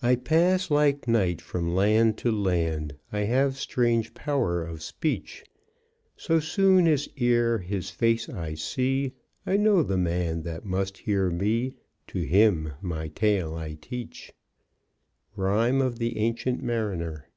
I pass like night from land to land, I have strange power of speech; So soon as e'er his face I see, I know the man that must hear me, To him my tale I teach. _Rime of the Ancient Mariner.